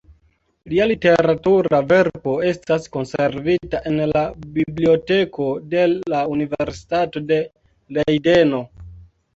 Lia literatura verko estas konservita en la Biblioteko de la Universitato de Lejdeno.